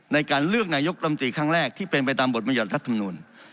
ในการเลือกนายกรรมตรีครั้งแรกที่เป็นไปตามบทบรรยัติรัฐมนูล